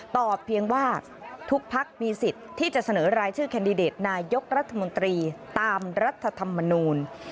เพียงว่าทุกพักมีสิทธิ์ที่จะเสนอรายชื่อแคนดิเดตนายกรัฐมนตรีตามรัฐธรรมนูล